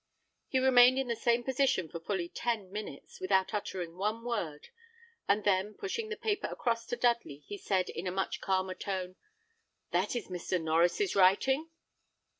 He remained in the same position for fully ten minutes, without uttering one word, and then, pushing the paper across to Dudley, he said, in a much calmer tone, "That is Mr. Norries's writing?"